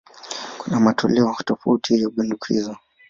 Kuna matoleo tofauti ya bunduki hizo.